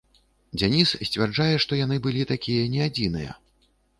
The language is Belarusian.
Дзяніс сцвярджае, што яны былі такія не адзіныя.